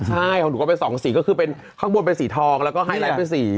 ใช่ของหนูก็เป็นสองสีก็คือเป็นข้างบนเป็นสีทองแล้วก็ไฮไลท์เป็นสี